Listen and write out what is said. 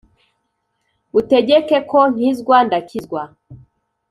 Utegeke ko nkizwa ndakizwa